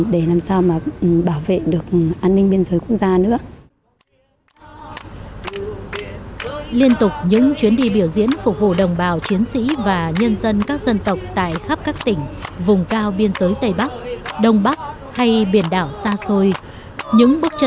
để làm sao mà bảo vệ được an ninh biên giới của chúng ta